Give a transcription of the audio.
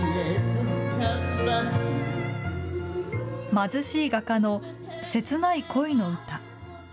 貧しい画家の切ない恋の歌。